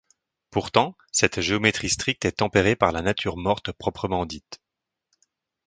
Pourtant, cette géométrie stricte est tempérée par la nature morte proprement dite.